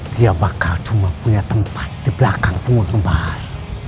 dia bakal cuma punya tempat di belakang punggung tembak